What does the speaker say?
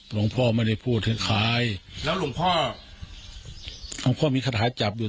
หลวงพ่อไม่ได้พูดให้ใครแล้วหลวงพ่อหลวงพ่อมีคาถาจับอยู่